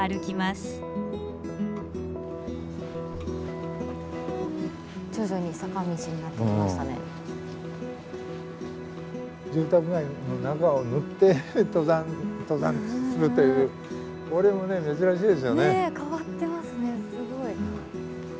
すごい。